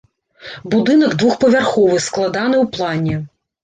Будынак двухпавярховы складаны ў плане.